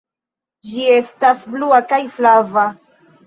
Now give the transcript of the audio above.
Ĝi estas blua kaj flava.